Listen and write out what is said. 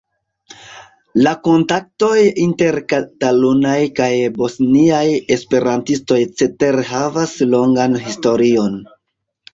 La kontaktoj inter katalunaj kaj bosniaj esperantistoj cetere havas longan historion.